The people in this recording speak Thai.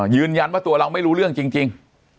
ยืนยันว่าตัวเราไม่รู้เรื่องจริง